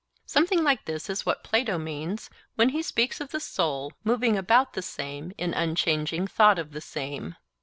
Something like this is what Plato means when he speaks of the soul 'moving about the same in unchanging thought of the same.